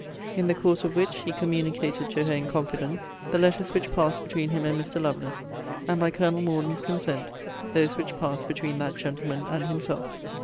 In the course of which, he communicated to her (in confidence) the letters which passed between him and Mr. Lovelace, and, by Colonel Morden's consent, those which passed between that gentleman and himself.